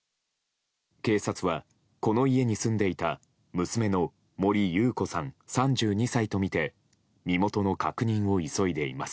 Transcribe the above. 警察はこの家に住んでいた娘の森優子さん、３２歳とみて身元の確認を急いでいます。